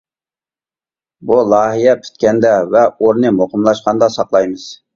بۇ لايىھە پۈتكەندە ۋە ئورنى مۇقىملاشقاندا ساقلايمىز.